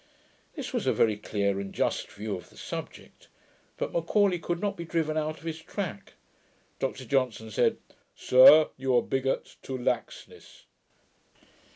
This was a very clear and just view of the subject: but, M'Aulay could not be driven out of his track. Dr Johnson said, 'Sir, you are a BIGOT TO LAXNESS.'